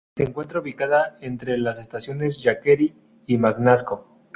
Se encuentra ubicada entre las estaciones Yuquerí y Magnasco.